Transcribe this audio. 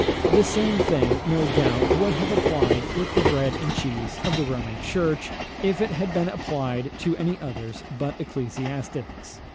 The same thing, no doubt, would have happened with the bread and cheese of the Roman Church, if it had been applied to any others but ecclesiastics.